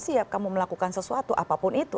siap kamu melakukan sesuatu apapun itu